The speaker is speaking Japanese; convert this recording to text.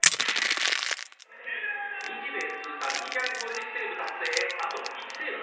日米通算２５０セーブ達成へあと１セーブ。